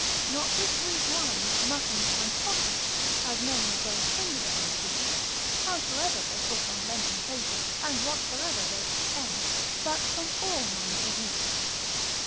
Not with sweet wine, mutton and pottage, as many of those tender bellies do, howsoever they put on Lenten faces, and whatsoever they pretend, but from all manner of meat.